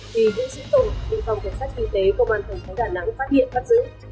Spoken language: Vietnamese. vì vụ sử tùng bệnh phòng cảnh sát kỳ tế công an thổng thống đà nẵng phát hiện bắt giữ